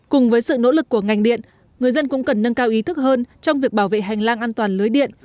cùng với sự nỗ lực của ngành điện người dân cũng cần nâng cao ý thức hơn trong việc bảo vệ hành lang an toàn lưới điện